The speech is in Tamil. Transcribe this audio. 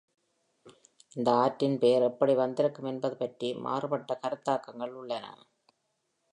இந்த ஆற்றின் பெயர் எப்படி வந்திருக்கும் என்பதுபற்றி மாறுபட்ட கருத்தாக்கங்கள் உள்ளன.